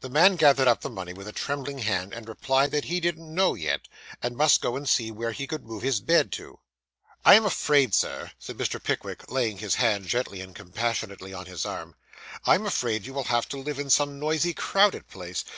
The man gathered up the money with a trembling hand, and replied that he didn't know yet; he must go and see where he could move his bed to. 'I am afraid, sir,' said Mr. Pickwick, laying his hand gently and compassionately on his arm 'I am afraid you will have to live in some noisy, crowded place.